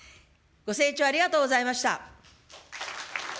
ご清聴ありがとうございました。